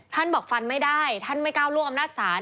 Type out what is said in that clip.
ท่านบอกฟันไม่ได้ท่านไม่กล้าวร่วงอำนาจศาสตร์